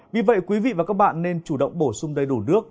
vì vậy quý vị và các bạn nên chủ động bổ sung đầy đủ nước